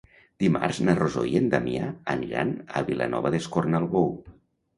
Dimarts na Rosó i en Damià aniran a Vilanova d'Escornalbou.